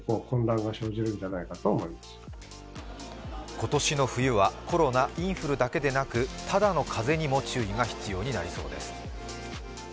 今年の冬はコロナ、インフルだけでなくただの風邪にも注意が必要になりそうです。